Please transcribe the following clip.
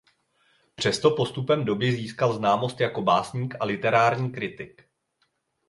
Přesto postupem doby získal známost jako básník a literární kritik.